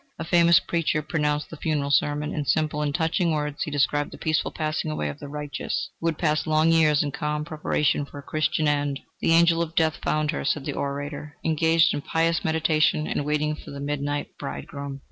A famous preacher pronounced the funeral sermon. In simple and touching words he described the peaceful passing away of the righteous, who had passed long years in calm preparation for a Christian end. "The angel of death found her," said the orator, "engaged in pious meditation and waiting for the midnight bridegroom."